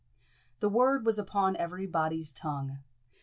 The word was upon every body's tongue.